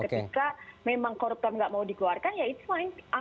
ketika memang koruptor nggak mau dikeluarkan ya it's fine